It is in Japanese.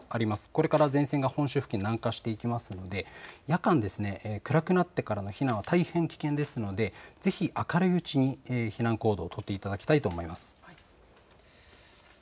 これから前線が本州付近に南下していきますので夜間、暗くなってからの避難は大変危険ですのでぜひ明るいうちに避難行動を取っていただきたいと思います。